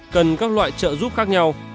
cần các loại trợ giúp khác nhau